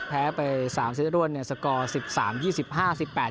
แพ้ไปสามเซตร่วนเนี่ยสกอร์สิบสามยี่สิบห้าสิบแปด